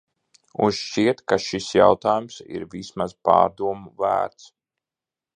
Un šķiet, ka šis jautājums ir vismaz pārdomu vērts.